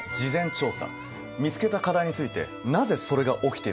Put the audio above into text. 見つけた課題についてなぜそれが起きているのか？